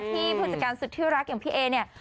ที่ผู้จักรสภิรักษ์อย่างพี่เอเนี่ย